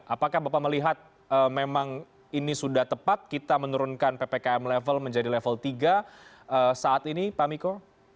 apakah bapak melihat memang ini sudah tepat kita menurunkan ppkm level menjadi level tiga saat ini pak miko